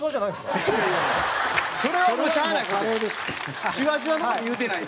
それは、もうしゃあない事やん。